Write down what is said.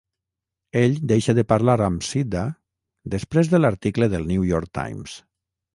Ell deixa de parlar amb Sidda després de l'article del New York Times.